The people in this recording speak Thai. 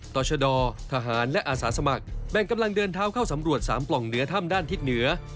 ต่อชะดอทหารและอาสาสมัครแบ่งกำลังเดินเท้าเข้าสำรวจ๓ปล่องเหนือถ้ำด้านทิศเหนือ